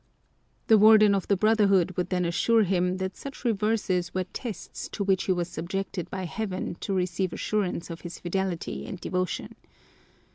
The warden of the Brotherhood would then assure him that such reverses were tests to which he was subjected by Heaven to receive assurance of his fidelity and devotion.